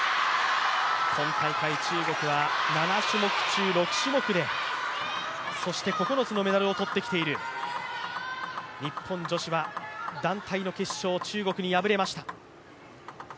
今大会、中国は７種目中、６種目でそして９つのメダルを取ってきている、日本女子は団体、中国に決勝で敗れました。